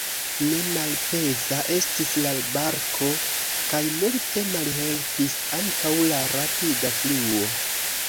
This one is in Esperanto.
Ne malpeza estis la barko kaj multe malhelpis ankaŭ la rapida fluo.